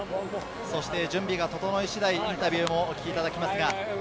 準備が整い次第、インタビューをお聞きいただきます。